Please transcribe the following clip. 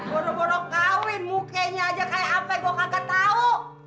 bodo bodo kawin mukenya aja kayak apa gue kagak tau